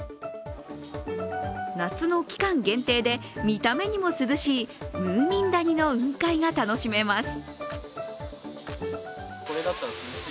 夏の期間限定で、見た目にも涼しいムーミン谷の雲海が楽しめます。